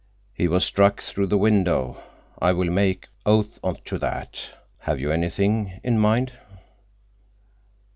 He was struck through the window. I will make oath to that. Have you anything—in mind?"